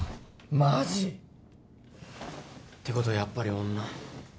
マジ？ってことはやっぱり女？